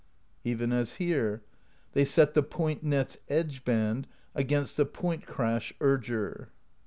Even as here: They set the Point Net's edge band Against the Point Crash Urger.